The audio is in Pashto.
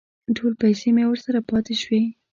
ټولې پیسې مې ورسره پاتې شوې.